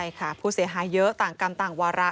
ใช่ค่ะผู้เสียหายเยอะต่างกรรมต่างวาระ